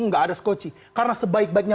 enggak ada skoci karena sebaik baiknya